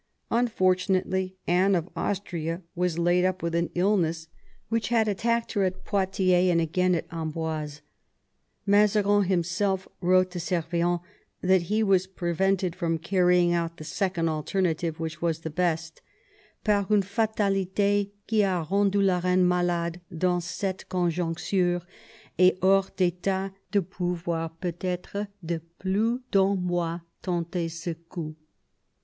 Unfortunately, Anne of Austria was laid up with an illness which had attacked her at Poitiers and again at Amboise. Mazarin himself wrote to Servien that he was prevented from carrying out the second alternative, which was the best, " par tine fatality qui a rendu la reine malade dans cette con joncture, et hors d'etat de pouvoir peut ^tre de plus d'un mois tenter ce coup."